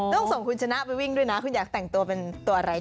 ต้องส่งคุณชนะไปวิ่งด้วยนะคุณอยากแต่งตัวเป็นตัวอะไร